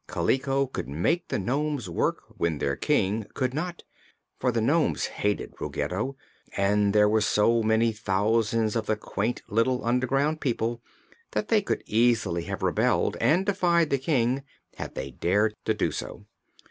Kaliko could make the nomes work when their King could not, for the nomes hated Ruggedo and there were so many thousands of the quaint little underground people that they could easily have rebelled and defied the King had they dared to do so.